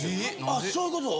あっそういうこと？